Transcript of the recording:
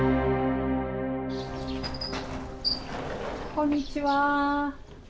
こんにちは。